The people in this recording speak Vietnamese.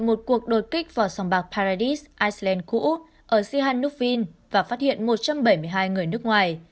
một cuộc đột kích vào sòng bạc paradise iceland cũ ở sihanoukville và phát hiện một trăm bảy mươi hai người nước ngoài